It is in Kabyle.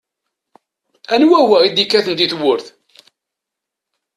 Anwa wa i d-ikkaten di tewwurt?